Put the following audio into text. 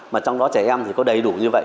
mà trong đó trẻ em thì có đầy đủ như vậy